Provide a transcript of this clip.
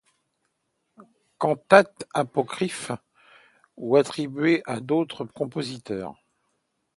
Cantates apocryphes ou attribuées à d'autres compositeurs.